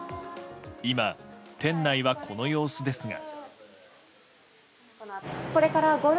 今、店内はこの様子ですが。